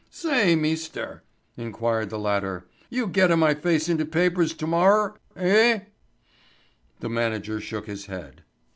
"Say, meester," inquired the latter. "You geta my face in de papers tomor', eh?" The manager shook his head.